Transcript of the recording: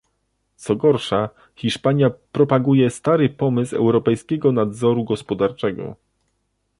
Co gorsza, Hiszpania propaguje stary pomysł europejskiego nadzoru gospodarczego